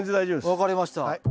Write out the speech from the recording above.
分かりました。